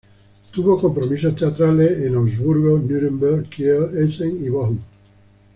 Tuvo compromisos teatrales en Augsburgo, Núremberg, Kiel, Essen y Bochum.